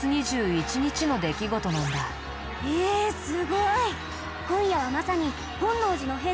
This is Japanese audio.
へえすごい！